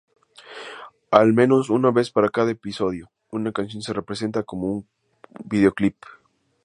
Al menos una vez para cada episodio, una canción se presenta como un vídeoclip.